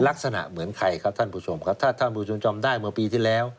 ลักษณะเหมือนใครครับท่านผู้ชมครับถ้าท่านผู้ชมจำได้เมื่อปีที่แล้ว